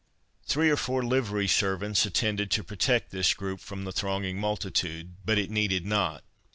Three or four livery servants attended to protect this group from the thronging multitude, but it needed not.